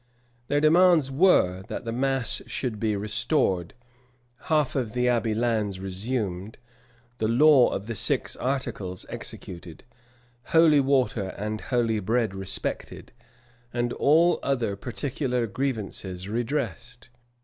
Their demands were, that the mass should be restored, half of the abbey lands resumed, the law of the six articles executed, holy water and holy bread respected, and all other particular grievances redressed.